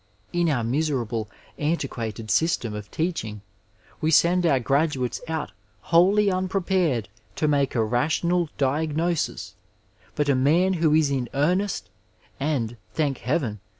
In our miserable, antiquated system of teaching we send our graduates out wholly unprepared to make a rational diagnosis, but a man who is in earnest — ^and, thank heaven